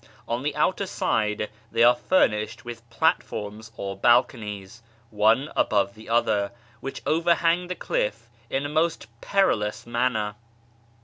On the outer side they are furnished with platforms or balconies, one above the other, which overhang the cliff in a| most perilous manner.